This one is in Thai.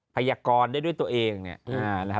พยากรได้ด้วยตัวเองเนี่ยนะครับ